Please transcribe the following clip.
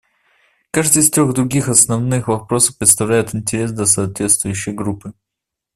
Каждый из трех других основных вопросов представляет интерес для соответствующей группы.